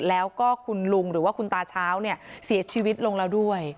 แล้วก็คุณลุงหรือว่าคุณตาเช้าเนี่ยเสียชีวิตลงแล้วด้วย